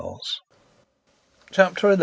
CHAPTER XI.